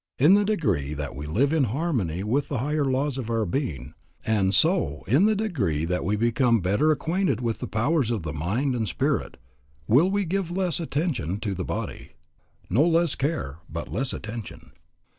In the degree that we live in harmony with the higher laws of our being, and so, in the degree that we become better acquainted with the powers of the mind and spirit, will we give less attention to the body, no less care, but less attention.